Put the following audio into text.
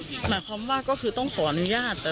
หมายความว่าก็คือต้องขออนุญาต